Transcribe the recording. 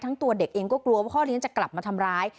ตัวเด็กเองก็กลัวว่าพ่อเลี้ยงจะกลับมาทำร้าย